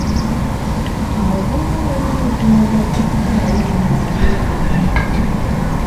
Abavubuka balina okulaga okufaayo ennyo eri emirimu gyabwe.